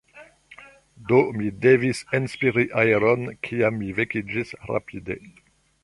Do mi devis enspiri aeron, kiam mi vekiĝis rapide.